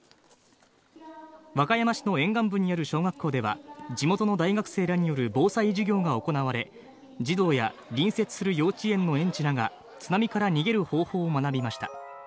和歌山市の沿岸部にある小学校では地元の大学生らによる防災授業が行われ、児童や隣接する幼稚園の園児らが津波から逃げる方法を学びました。